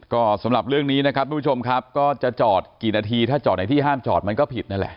ก็สำหรับเรื่องนี้นะครับทุกผู้ชมครับก็จะจอดกี่นาทีถ้าจอดในที่ห้ามจอดมันก็ผิดนั่นแหละ